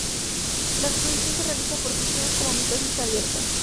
La reproducción se realiza por fisión, con mitosis abierta.